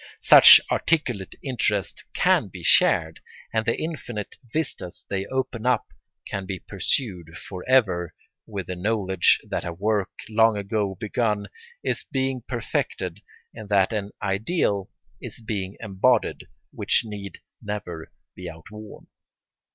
Such articulate interests can be shared; and the infinite vistas they open up can be pursued for ever with the knowledge that a work long ago begun is being perfected and that an ideal is being embodied which need never be outworn.